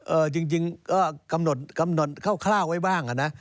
เออจริงก็กำหนดเข้าคร่าวไว้บ้างนะ